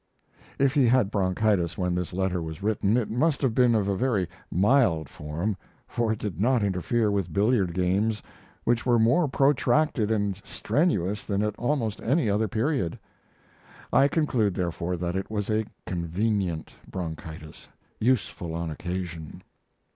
If he had bronchitis when this letter was written, it must have been of a very mild form, for it did not interfere with billiard games, which were more protracted and strenuous than at almost any other period. I conclude, therefore, that it was a convenient bronchitis, useful on occasion.